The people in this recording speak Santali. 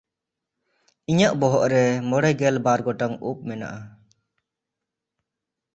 ᱤᱧᱟᱜ ᱵᱚᱦᱚᱜ ᱨᱮ ᱢᱚᱬᱮᱜᱮᱞ ᱵᱟᱨ ᱜᱚᱴᱟᱝ ᱩᱵ ᱢᱮᱱᱟᱜᱼᱟ᱾